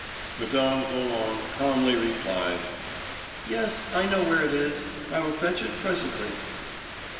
Mme. Roland calmly replied: "Yes, I know where it is. I will fetch it presently."